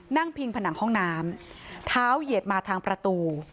พิงผนังห้องน้ำเท้าเหยียดมาทางประตู